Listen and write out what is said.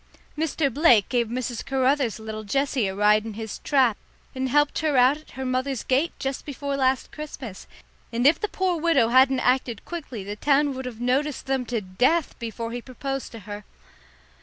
Mr. Blake gave Mrs. Caruther's little Jessie a ride in his trap and helped her out at her mother's gate just before last Christmas, and if the poor widow hadn't acted quickly the town would have noticed them to death before he proposed to her.